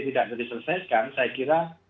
tidak diselesaikan saya kira